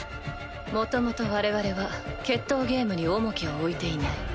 もともと我々は決闘ゲームに重きを置いていない。